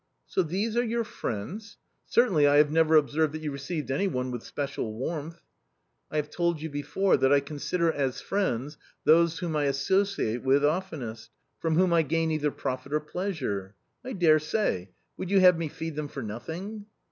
"So these are your friends? Certainly I have never observed that you received any one with special warmth." " I have told you before that I consider as friends those whom I associate with oftenest, from whom I gain either profit or pleasure. I dare say ! Would you have me feed them for nothing